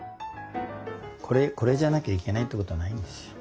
これじゃなきゃいけないっていうことはないんですよ。